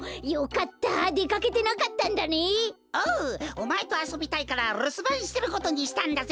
おまえとあそびたいからるすばんしてることにしたんだぜ！